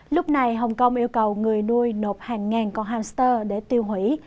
lúc này hồng kông yêu cầu người nuôi nộp hàng ngàn con hamster để tiêu hủy